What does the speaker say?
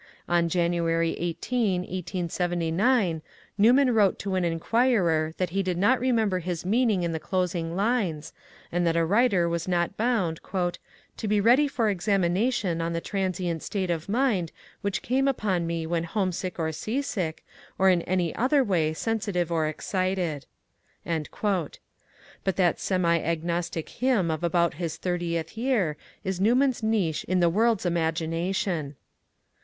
On January 18, 1879, Newman vnrote to an inquirer that he did not remember his meaning in the closing Unes, and that a writer was not bound *^ to be ready for examination on the transient state of mind which came upon one when homesick or seasick, or in any other way sensitive or excited." But that semi agnostic hymn of about his thirtieth year is Newman's niche in the world's imagination.